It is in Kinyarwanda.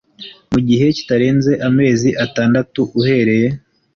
Mu gihe kitarenze amezi atandatu uhereye